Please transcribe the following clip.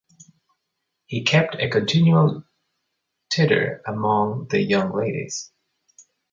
He kept a continual titter among the young ladies.